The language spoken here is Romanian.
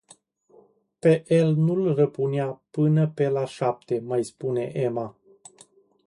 Pe el nu-l răpunea până pe la șapte, mai spune Ema.